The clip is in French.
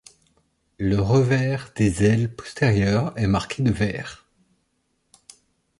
Le revers des ailes postérieures est marqué de vert.